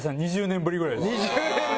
２０年ぶりぐらい？